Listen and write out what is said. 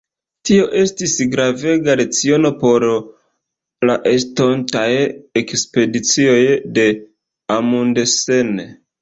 Tio estis gravega leciono por la estontaj ekspedicioj de Amundsen.